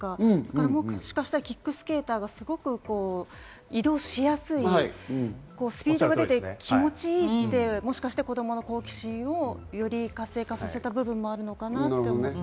平たんに見えるというか、もしかしたらキックスケーターがすごく移動しやすい、スピードも出て気持ち良いって、もしかしたら子供の好奇心をより活性化させた部分もあるのかなって。